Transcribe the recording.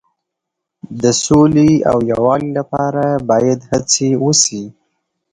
د سولې او یووالي لپاره باید هڅې وشي.